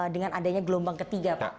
dengan adanya gelombang ketiga pak